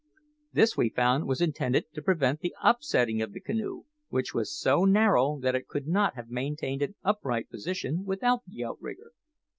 This, we found, was intended to prevent the upsetting of the canoe, which was so narrow that it could not have maintained an upright position without the outrigger.